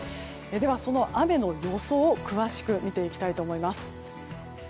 では、その雨の予想を詳しく見ていきたいと思います。